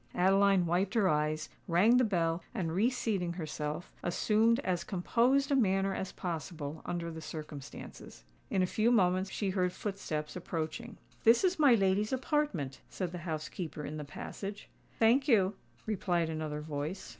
Adeline wiped her eyes, rang the bell, and reseating herself, assumed as composed a manner as possible under the circumstances. In a few moments she heard footsteps approaching. "This is my lady's apartment," said the housekeeper in the passage. "Thank you," replied another voice.